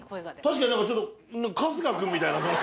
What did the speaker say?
確かに何かちょっと春日君みたいなその。